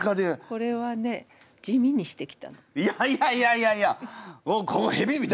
これはねいやいやいやいやいや！